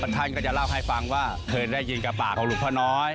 ท่านก็จะเล่าให้ฟังว่าเคยได้ยินกับปากของหลวงพ่อน้อย